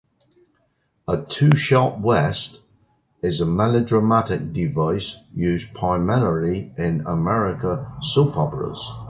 A "two shot west" is a melodramatic device used primarily in American soap operas.